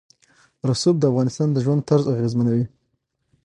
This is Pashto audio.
رسوب د افغانانو د ژوند طرز اغېزمنوي.